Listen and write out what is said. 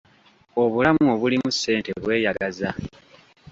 Obulamu obulimu ssente bweyagaza.